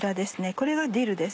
これがディルです。